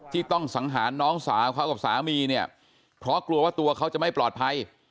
ที่ต้องสังหารน้องสาวเขากับสามีเนี่ยเพราะกลัวว่าตัวเขาจะไม่ปลอดภัย